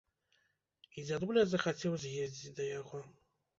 І дзядуля захацеў з'ездзіць да яго.